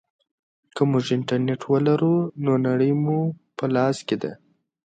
که موږ انټرنیټ ولرو نو نړۍ مو په لاس کې ده.